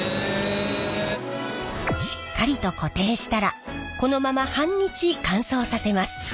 しっかりと固定したらこのまま半日乾燥させます。